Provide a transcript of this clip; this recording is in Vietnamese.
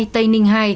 tây ninh hai